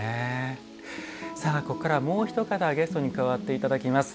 ここからは、もうひと方ゲストに加わっていただきます。